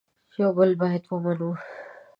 یو بل باید ومنو